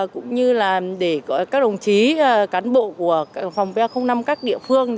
cũng như là để các đồng chí cán bộ của phòng pa năm các địa phương